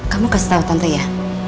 kamu kasih tahu tante ya